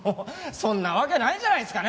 そんなわけないじゃないですかね。